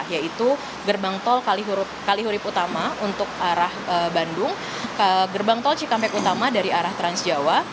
yaitu gerbang tol kalihurip utama untuk arah bandung ke gerbang tol cikampek utama dari arah transjawa